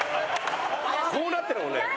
こうなってるもんね。